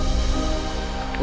dari pada daripada kita tangisin